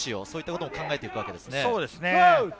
そういうことも考えていくわけですね。